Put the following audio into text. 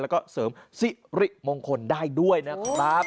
แล้วก็เสริมสิริมงคลได้ด้วยนะครับ